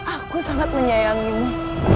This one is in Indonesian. aku sangat menyayangimu